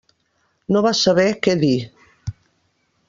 No va saber què dir.